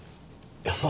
いやまあ